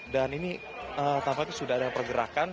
dan ini tampaknya sudah ada pergerakan